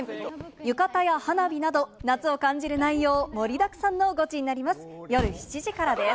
浴衣や花火など、夏を感じる内容盛りだくさんのゴチになります。